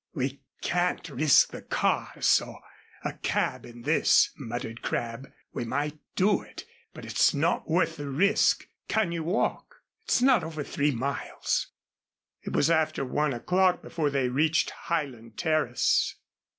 "We can't risk the cars or a cab in this," muttered Crabb. "We might do it, but it's not worth the risk. Can you walk? It's not over three miles." It was after one o'clock before they reached Highland Terrace.